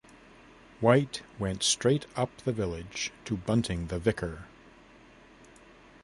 White went straight up the village to Bunting the vicar.